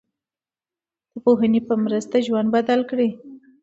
د پوهې په مرسته ژوند بدل کړئ.